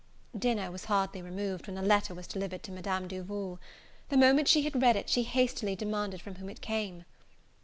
Dinner was hardly removed, when a letter was delivered to Madam Duval. The moment she had read it, she hastily demanded from whom it came.